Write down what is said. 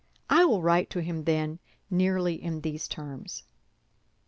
I will write to him, then, nearly in these terms."